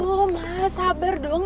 aduh mas sabar dong